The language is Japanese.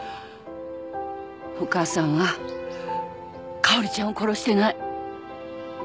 お母さんはかおりちゃんを殺してない。